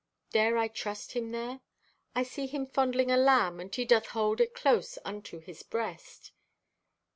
Dare I trust him there? I see him fondling a lamb and he doth hold it close unto his breast."